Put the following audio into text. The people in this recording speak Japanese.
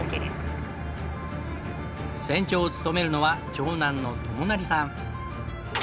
船長を務めるのは長男の智生さん。